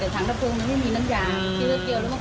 แต่ถังกระเพึงมันไม่มีน้ำยาง